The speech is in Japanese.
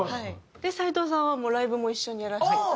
で斎藤さんはもうライブも一緒にやらせていただいて。